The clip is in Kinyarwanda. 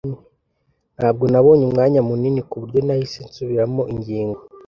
Ntabwo nabonye umwanya munini kuburyo nahise nsubiramo ingingo.